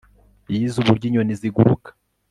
yize uburyo inyoni ziguruka